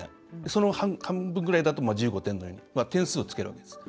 その半分ぐらいだと１５点のように点数をつけるわけです。